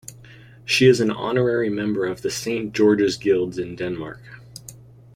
She is an honorary member of the Saint George's Guilds in Denmark.